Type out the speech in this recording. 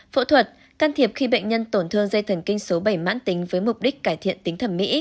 phẫu thuật can thiệp khi bệnh nhân tổn thương dây thần kinh số bảy mãn tính với mục đích cải thiện tính thẩm mỹ